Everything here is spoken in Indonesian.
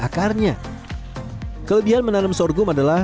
akarnya kelebihan menanam sorghum adalah